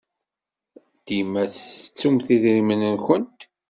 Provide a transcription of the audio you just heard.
Dima tettettumt idrimen-nwent.